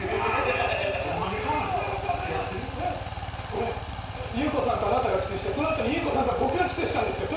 これユウコさんとあなたがキスしてその後にユウコさんと僕がキスしたんですよ。